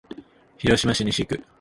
広島市西区